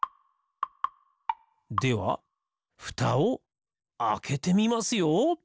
ではふたをあけてみますよ！